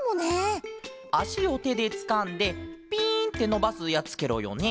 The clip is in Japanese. あしをてでつかんでピンってのばすやつケロよね？